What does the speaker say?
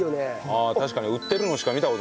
ああ確かに売ってるのしか見た事ない。